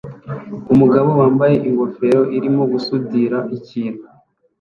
Umugabo wambaye ingofero arimo gusudira ikintu